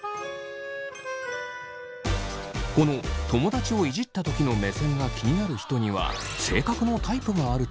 この友達をイジったときの目線が気になる人には性格のタイプがあるという。